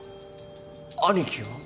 兄貴は？